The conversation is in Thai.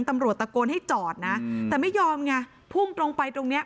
ตำรวจตะโกนให้จอดนะแต่ไม่ยอมไงพุ่งตรงไปตรงเนี้ย